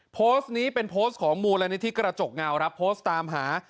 โพสต์นี้เป็นโพสต์ของมูลนิธิกระจกเงาครับโพสต์ตามหา